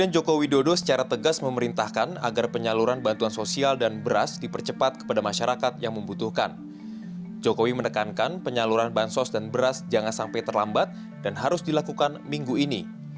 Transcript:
jokowi menekankan penyaluran bansos dan beras jangan sampai terlambat dan harus dilakukan minggu ini